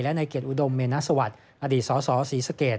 และในเกียรติอุดมเมนสวัสดิ์อดีตสสศรีสเกต